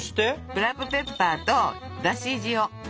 ブラックペッパーとだし塩。